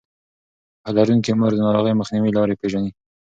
پوهه لرونکې مور د ناروغۍ مخنیوي لارې پېژني.